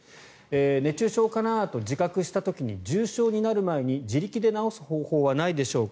熱中症かなと自覚した時に重症になる前に自力で治す方法はないでしょうか。